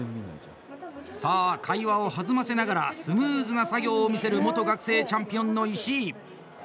さあ、会話を弾ませながらスムーズな作業を見せる元学生チャンピオンの石井。